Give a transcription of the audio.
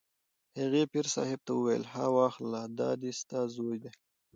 هغې پیر صاحب ته وویل: ها واخله دا دی ستا زوی دی.